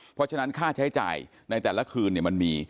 เพราะฉะนั้นค่าใช้จ่ายในแต่ละคืนมันมี